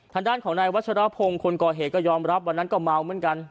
ทางด้านของนายวัชรพงศ์คนก่อเหตุก็ยอมรับวันนั้นก็เมาเหมือนกัน